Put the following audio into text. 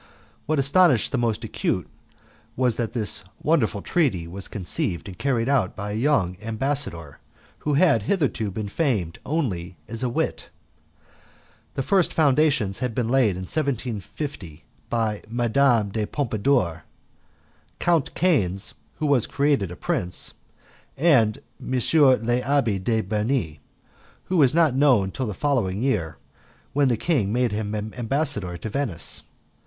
What astonished the most acute was that this wonderful treaty was conceived and carried out by a young ambassador who had hitherto been famed only as a wit. The first foundations had been laid in 1750 by Madame de Pompadour, Count Canes (who was created a prince), and M. l'Abbé de Bernis, who was not known till the following year, when the king made him ambassador to Venice.